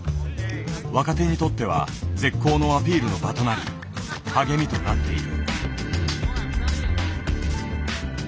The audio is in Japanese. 若手にとっては絶好のアピールの場となり励みとなっている。